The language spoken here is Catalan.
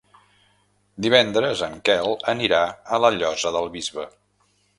Divendres en Quel anirà a la Llosa del Bisbe.